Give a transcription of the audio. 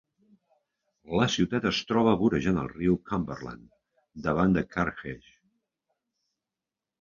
La ciutat es troba vorejant el riu Cumberland, davant de Carthage.